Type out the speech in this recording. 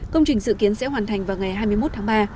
công trình dự kiến sẽ hoàn thành vào ngày hai mươi một tháng ba